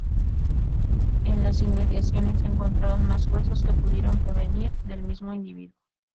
En las inmediaciones, se encontraron más huesos que pudieron provenir del mismo individuo.